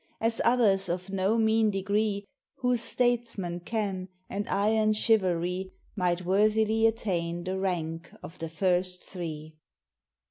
As others of no mean degree, Whose statesmen ken, and iron chivalry Might worthily attain the rank of "the first Three."